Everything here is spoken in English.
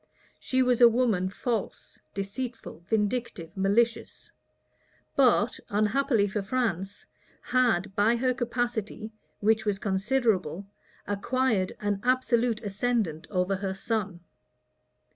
She was a woman false, deceitful, vindictive, malicious; but, unhappily for France, had, by her capacity, which was considerable, acquired an absolute ascendant over her son.